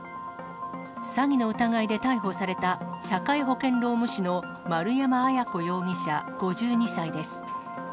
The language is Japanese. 詐欺の疑いで逮捕された、社会保険労務士の丸山文子容疑者５２歳です。